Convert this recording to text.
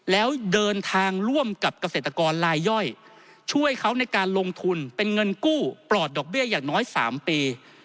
แล้วเดินทางร่วมกับเกษตรกรลายย่อยช่วยเขาในการลงทุนเป็นเงินกู้ปลอดดอกเบี้ยอย่างน้อย๓ปี